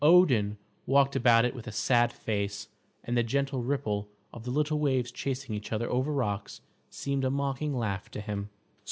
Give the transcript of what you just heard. Odin walked about it with a sad face, and the gentle ripple of the little waves chasing each other over the rocks seemed a mocking laugh to him.